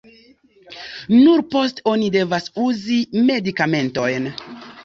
Nur poste oni devas uzi medikamentojn.